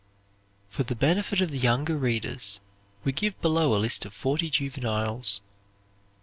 For the benefit of the younger readers we give below a list of forty juveniles.